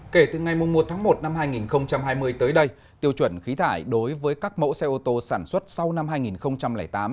kể từ ngày một tháng một năm hai nghìn hai mươi tới đây tiêu chuẩn khí thải đối với các mẫu xe ô tô sản xuất sau năm hai nghìn tám